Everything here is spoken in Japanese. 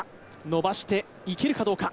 伸ばしていけるかどうか。